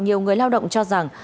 nhiều người lao động cho rằng